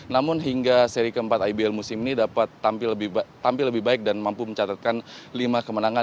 namun hingga seri keempat ibl musim ini dapat tampil lebih baik dan mampu mencatatkan lima kemenangan